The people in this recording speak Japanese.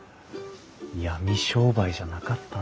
闇商売じゃなかったんだあ。